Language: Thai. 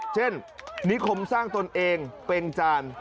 เช่นนิคมสร้างตนเองเพ็งจาน